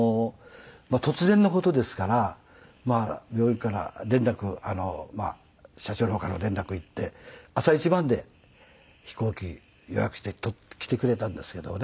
突然の事ですから病院から連絡社長の方からも連絡いって朝一番で飛行機予約して来てくれたんですけどもね。